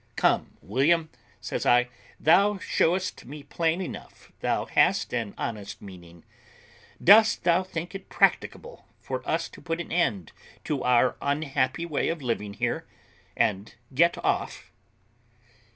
"Come, William," says I, "thou showest me plain enough thou hast an honest meaning; dost thou think it practicable for us to put an end to our unhappy way of living here, and get off?"